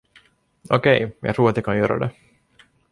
Okej, jag tror att jag kan göra det.